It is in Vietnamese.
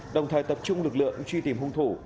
đồng thời tập trung lực lượng truy tìm hung thủ